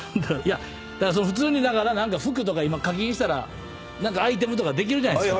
だから普通に服とか今課金したら何かアイテムとかできるじゃないですか。